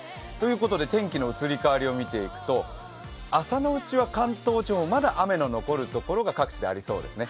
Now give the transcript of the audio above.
天気の移り変わりを見ていくと、朝のうちは関東地方、まだ雨の残る所が各地でありそうですね。